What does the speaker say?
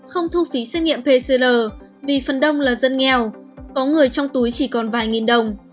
không thu phí xét nghiệm pcr vì phần đông là dân nghèo có người trong túi chỉ còn vài nghìn đồng